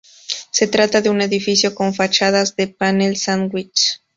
Se trata de un edificio con fachadas de panel sándwich.